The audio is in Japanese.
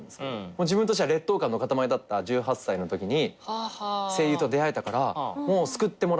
自分としては劣等感の塊だった１８歳のときに声優と出合えたから救ってもらえた感じ声優に。